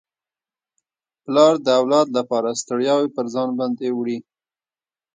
پلار د اولاد لپاره ستړياوي پر ځان باندي وړي.